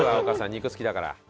肉好きだから。